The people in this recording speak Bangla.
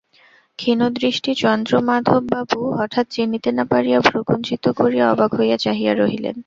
ক্ষীণদৃষ্টি চন্দ্রমাধববাবু হঠাৎ চিনিতে না পারিয়া ভ্রূকুঞ্চিত করিয়া অবাক হইয়া চাহিয়া রহিলেন।